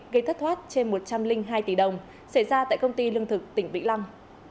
gây thất thoát trên một trăm linh hai tỷ đồng xảy ra tại công ty lương thực tỉnh vĩnh long